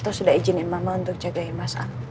terus udah izinin mama untuk jagain mas al